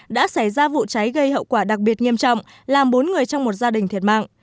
đã xảy ra vụ cháy gây hậu quả đặc biệt nghiêm trọng làm bốn người trong một gia đình thiệt mạng